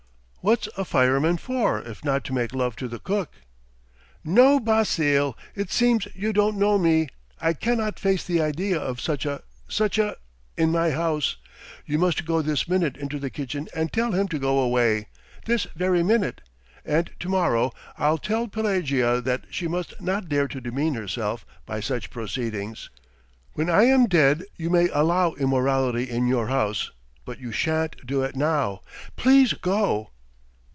What's a fireman for if not to make love to the cook?" "No, Basile! It seems you don't know me! I cannot face the idea of such a ... such a ... in my house. You must go this minute into the kitchen and tell him to go away! This very minute! And to morrow I'll tell Pelagea that she must not dare to demean herself by such proceedings! When I am dead you may allow immorality in your house, but you shan't do it now! ... Please go!"